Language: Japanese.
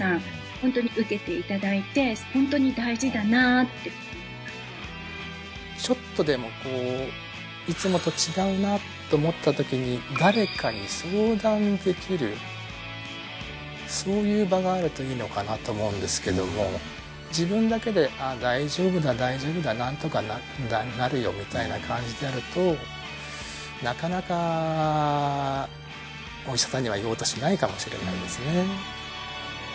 ホントに受けていただいてホントに大事だなってちょっとでもこういつもと違うなと思った時に誰かに相談できるそういう場があるといいのかなと思うんですけども自分だけで大丈夫だ大丈夫だなんとかなるよみたいな感じであるとなかなかお医者さんには行こうとしないかもしれないですね